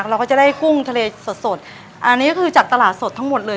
เราก็จะได้กุ้งทะเลสดสดอันนี้ก็คือจากตลาดสดทั้งหมดเลย